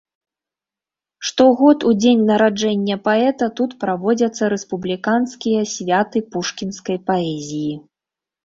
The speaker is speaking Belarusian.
Штогод у дзень нараджэння паэта тут праводзяцца рэспубліканскія святы пушкінскай паэзіі.